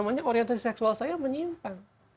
namanya orientasi seksual saya menyimpang